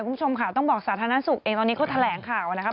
คุณผู้ชมค่ะต้องบอกสาธารณสุขเองตอนนี้เขาแถลงข่าวนะครับ